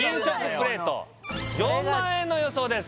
プレート４万円の予想です